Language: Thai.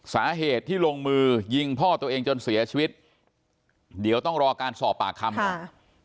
สาเหตุที่ลงมือยิงพ่อตัวเองจนเสียชีวิตเดี๋ยวต้องรอการสอบปากคำค่ะ